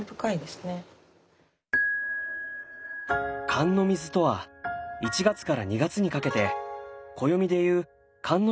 寒の水とは１月から２月にかけて暦でいう寒の時期にとる水のこと。